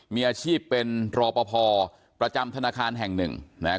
มีอาชีพเป็นรอปภประจำธนาคารแห่งหนึ่งนะครับ